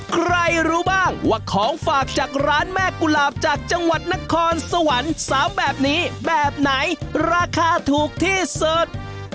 ใครรู้บ้างว่าของฝากจากร้านแม่กุหลาบจากจังหวัดนครสวรรค์๓แบบนี้แบบไหนราคาถูกที่สุด